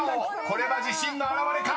これは自信の表れか⁉］